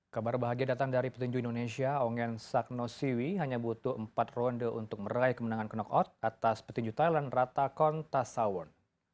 kabar bahagia datang dari petinju indonesia ongen saknosiwi hanya butuh empat ronde untuk meraih kemenangan knockout atas petinju thailand ratakon tasawun